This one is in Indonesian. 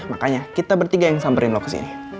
makanya kita bertiga yang samperin lo kesini